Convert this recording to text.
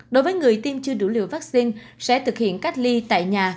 đối với người tiêm chưa đủ liều vaccine sẽ thực hiện cách ly tại nhà